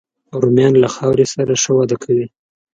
رومیان له خاورې سره ښه وده کوي